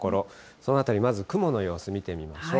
そのあたり、まず雲の様子見てみましょう。